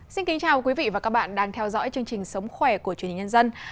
xin kính chào quý vị và các bạn đang theo dõi chương trình sống khỏe của chuyên nhân dân